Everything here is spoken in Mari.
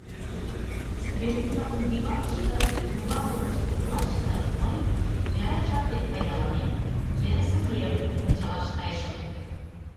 Стрелок-влакын бивакыште юватылмышт гутлаште мый, яра жап дене пайдаланен, йырысе верым ончалаш кайышым.